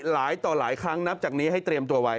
หลายต่อหลายครั้งนับจากนี้ให้เตรียมตัวไว้